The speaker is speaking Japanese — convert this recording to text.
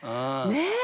ねえ！